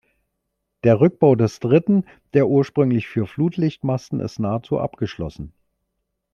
Der Rückbau des dritten der ursprünglich vier Flutlichtmasten ist nahezu abgeschlossen.